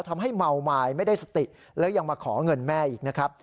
ทำให้เมาไม้ไม่ได้สติแล้วยังมาขอเงินแม่อีกนะครับ